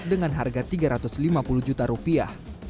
dengan harga tiga ratus lima puluh juta rupiah